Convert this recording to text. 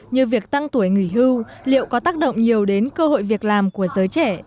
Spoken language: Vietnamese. như việc tăng tuổi nghỉ hưu liệu có tác động nhiều đến cơ hội việc làm của giới trẻ